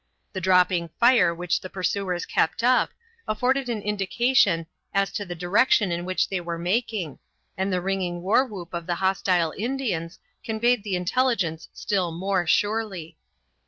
The dropping fire, which the pursuers kept up, afforded an indication as to the direction in which they were making, and the ringing war whoop of the hostile Indians conveyed the intelligence still more surely.